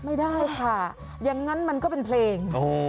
ไม่ได้ค่ะอย่างนั้นมันก็เป็นเพลง